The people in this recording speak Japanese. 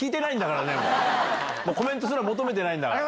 コメントすら求めてないんだから。